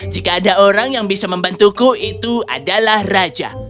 jika ada orang yang bisa membantuku itu adalah raja